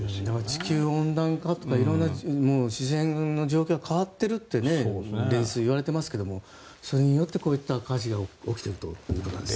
地球温暖化とか自然の状況が変わっているといわれていますけどもそれによってこういった火事が起きているということですね。